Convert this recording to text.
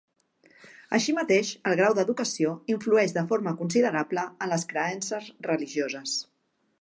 Així mateix, el grau d'educació influeix de forma considerable en les creences religioses.